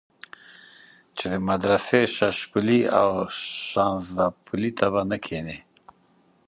چې د مدرسې ششپولي او شانزدا پلي ته به نه کېنې.